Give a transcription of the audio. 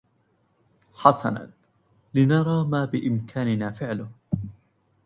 حسنا. لنرى ما بإمكاننا فعله.